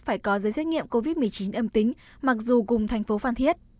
phải có giấy xét nghiệm covid một mươi chín âm tính mặc dù cùng tp phan thiết